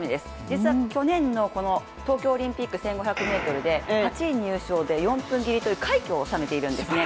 実は去年の東京オリンピック１５００ｍで８位入賞で４分切りという快挙をおさめているんですね。